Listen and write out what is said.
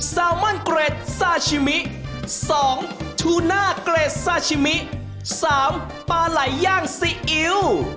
ลมอนเกรดซาชิมิ๒ชูน่าเกรดซาชิมิ๓ปลาไหล่ย่างซีอิ๊ว